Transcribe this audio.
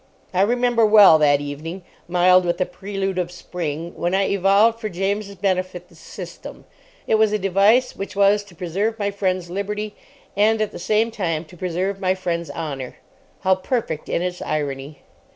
I remember well that evening, mild with the prelude of spring, when I evolved for James' benefit the System. It was a device which was to preserve my friend's liberty and, at the same time, to preserve my friend's honour. How perfect in its irony!